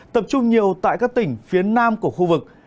tập trung nhiều tại các tỉnh phía nam của khu vực